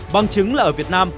bằng chứng là ở việt nam